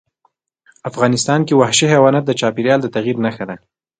افغانستان کې وحشي حیوانات د چاپېریال د تغیر نښه ده.